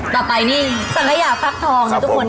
ต่อไปสังฆยฟักธองนะทุกคน